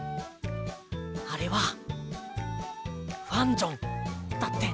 あれは「ファンジョン」だって。